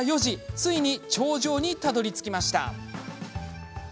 ついに頂上にたどりつきました。